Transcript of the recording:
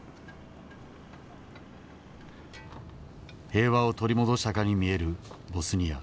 平和を取り戻したかに見えるボスニア。